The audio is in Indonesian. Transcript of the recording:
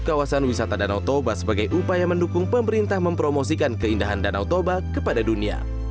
kawasan wisata danau toba sebagai upaya mendukung pemerintah mempromosikan keindahan danau toba kepada dunia